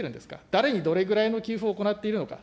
誰にどれくらいの給付を行っているのか。